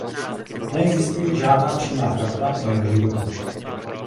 Neexistují žádná přímá fakta o jeho životě.